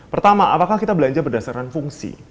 pertama apakah kita belanja berdasarkan fungsi